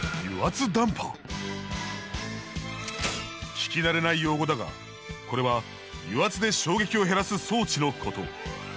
聞き慣れない用語だがこれは油圧で衝撃を減らす装置のこと。